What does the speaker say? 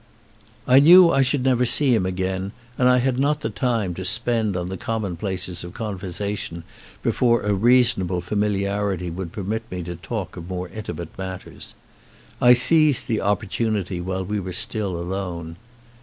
I knew I should never see him again and I had not the time to spend on the commonplaces of con versation before a reasonable familiarity would permit me to talk of more intimate matters. I seized the opportunity while we were still alone.